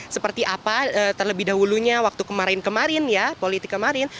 seperti apa terlebih dahulunya waktu kemarin kemarin ya politik kemarin